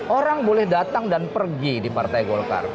orang boleh datang dan pergi di partai golkar